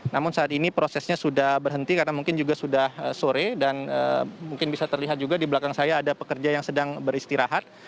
namun saat ini prosesnya sudah berhenti karena mungkin juga sudah sore dan mungkin bisa terlihat juga di belakang saya ada pekerja yang sedang beristirahat